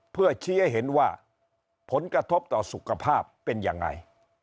เพื่อชี้ให้เห็นว่าผลกระทบต่อสุขภาพเป็นยังไง